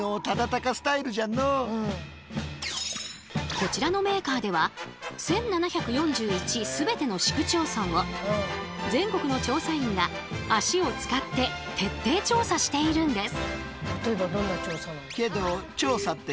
こちらのメーカーでは１，７４１全ての市区町村を全国の調査員が足を使って徹底調査しているんです。